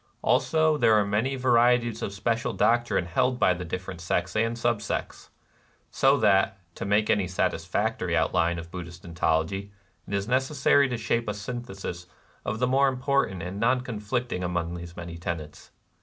Also there are many varieties of special doctrine held by the different sects and sub sects, — so that, to make any satisfactory outline of Buddhist ontology, it is necessary to shape a synthesis of the more important and non conflicting among these many tenets.